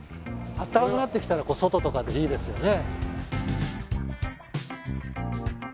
暖かくなってきたら外とかでいいですよね。